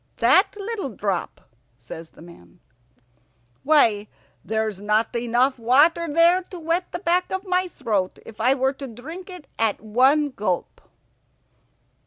"That little drop!" says the man. "Why, there's not enough water there to wet the back of my throat if I were to drink it at one gulp."